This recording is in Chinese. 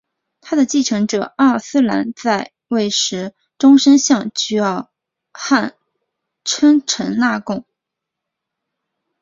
他的继承者阿尔斯兰在位时终生向菊儿汗称臣纳贡。